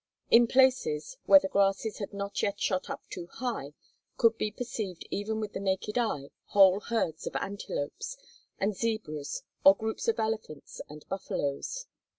In places, where the grasses had not yet shot up too high, could be perceived even with the naked eye whole herds of antelopes and zebras or groups of elephants and buffaloes.